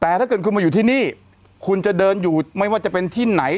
แต่ถ้าเกิดคุณมาอยู่ที่นี่คุณจะเดินอยู่ไม่ว่าจะเป็นที่ไหน